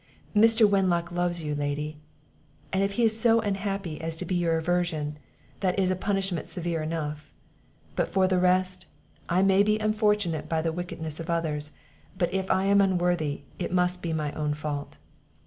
Mr. Wenlock loves you, lady, and if he is so unhappy as to be your aversion, that is a punishment severe enough. For the rest, I may be unfortunate by the wickedness of others, but if I am unworthy, it must be by my own fault."